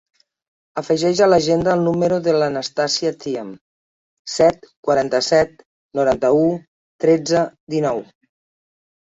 Afegeix a l'agenda el número de l'Anastàsia Thiam: set, quaranta-set, noranta-u, tretze, dinou.